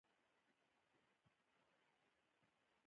سمندر نه شتون د افغانانو ژوند اغېزمن کوي.